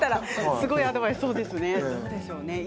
すごいアドバイスですね。